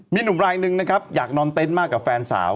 มีหนุ่มรายหนึ่งนะครับอยากนอนเต็นต์มากกับแฟนสาว